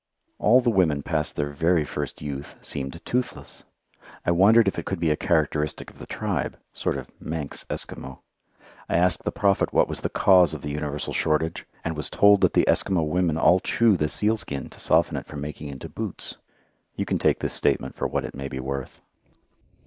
All the women past their very first youth seemed toothless. I wondered if it could be a characteristic of the tribe sort of Manx Eskimo. I asked the Prophet what was the cause of the universal shortage, and was told that the Eskimo women all chew the sealskin to soften it for making into boots. You can take this statement for what it may be worth.